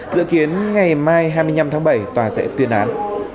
dự kiến ngày mai hai mươi năm tháng bảy tòa sẽ tuyên án